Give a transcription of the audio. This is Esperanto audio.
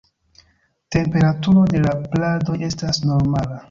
Temperaturo de la pladoj estas normala.